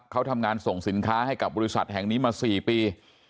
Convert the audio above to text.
เขาทำงานส่งสินค้าให้กับบริษัทแห่งนี้มา๔ปี